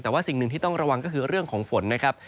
แต่ว่าสิ่งหนึ่งที่ต้องระวังก็คือเรื่องของฝนนะครับ